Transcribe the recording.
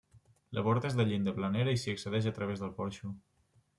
La porta és de llinda planera i s'hi accedeix a través del porxo.